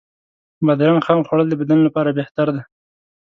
بادرنګ خام خوړل د بدن لپاره بهتر دی.